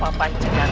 papan cendana ini